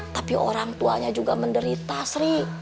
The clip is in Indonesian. tapi orang tuanya juga menderita sri